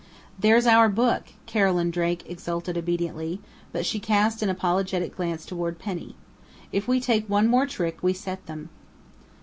"There's our book!" Carolyn Drake exulted obediently, but she cast an apologetic glance toward Penny. "If we take one more trick we set them."